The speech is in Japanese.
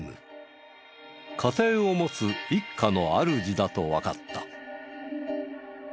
家庭を持つ一家のあるじだとわかった。